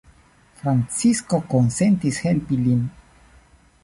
Francisko konsentis helpi lin.